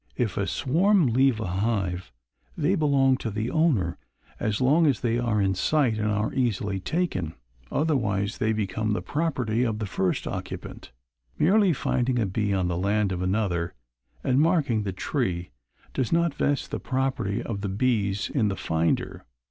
If a swarm leave a hive they belong to the owner as long as they are in sight and are easily taken; otherwise they become the property of the first occupant. Merely finding a bee on the land of another and marking the tree does not vest the property of the bees in the finder.